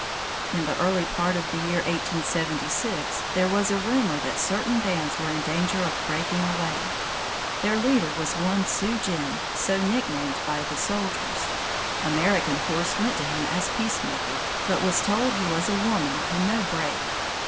In the early part of the year 1876, there was a rumor that certain bands were in danger of breaking away. Their leader was one Sioux Jim, so nicknamed by the soldiers. American Horse went to him as peacemaker, but was told he was a woman and no brave.